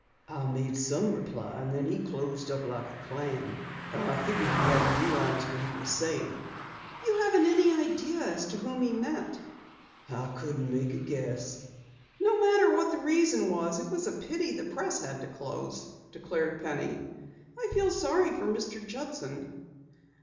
"I made some reply, and then he closed up like a clam. I figure he hadn't realized what he was saying." "You haven't any idea as to whom he meant?" "I couldn't make a guess." "No matter what the reason, it was a pity the Press had to close," declared Penny. "I feel very sorry for Mr. Judson."